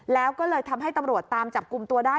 แล้วก็เลยทำให้ตำรวจตามจับกลุ่มตัวได้